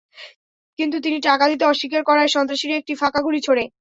কিন্তু তিনি টাকা দিতে অস্বীকার করায় সন্ত্রাসীরা একটি ফাঁকা গুলি ছোড়ে।